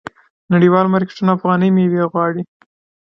نړیوال مارکیټونه افغاني میوې غواړي.